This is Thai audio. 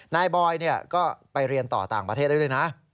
นายบอยนี่ก็ไปเรียนต่อต่างประเทศเลยนะ